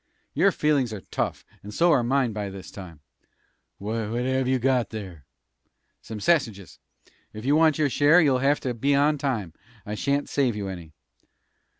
"Your feelin's are tough, and so are mine by this time." "What have you got there?" "Some sassiges. Ef you want your share, you'll have to be on time. I shan't save you any."